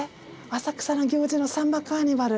浅草の行事のサンバカーニバル。